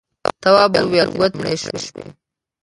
تواب وويل: گوتې مې مړې شوې.